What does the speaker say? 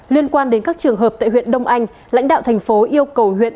liên quan đến các trường hợp tại huyện đông anh lãnh đạo thành phố yêu cầu huyện